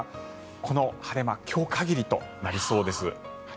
この晴れ間今日限りとなりそうです。